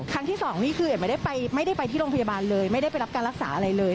ที่สองนี่คือไม่ได้ไปที่โรงพยาบาลเลยไม่ได้ไปรับการรักษาอะไรเลย